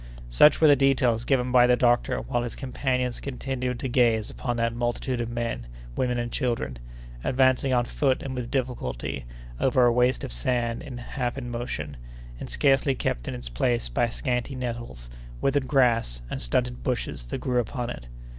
Such were the details given by the doctor while his companions continued to gaze upon that multitude of men, women, and children, advancing on foot and with difficulty over a waste of sand half in motion, and scarcely kept in its place by scanty nettles, withered grass, and stunted bushes that grew upon it.